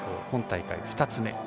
今大会２つ目。